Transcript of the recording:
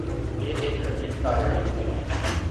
یہ ایک طویل کارروائی ہے۔